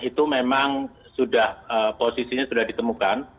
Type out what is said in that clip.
itu memang sudah posisinya sudah ditemukan